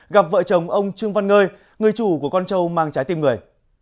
gặp vợ chồng ông trương văn ngơi người chủ của con trâu mang trái tim người